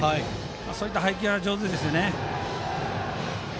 そういった配球が上手ですね。